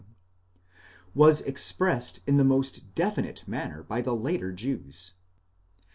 was expressed in the most definite manner by the later Jews.!